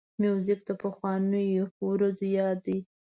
موزیک د پخوانیو ورځو یاد دی.